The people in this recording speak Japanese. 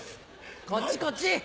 こっちこっち！